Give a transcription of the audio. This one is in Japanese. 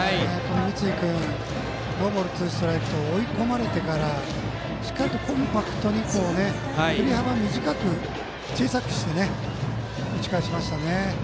三井君ノーボールツーストライクと追い込まれてからしっかりコンパクトに振り幅を小さくして、打ち返しましたね。